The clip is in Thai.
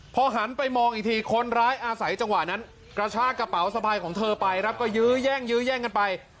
พอหันไปมองอีกทีคนร้ายอาศัยจังหวะนั้นกระชากระเป๋าสะพายของเธอไปครับก็ยื้อแย่งยื้อแย่งกันไป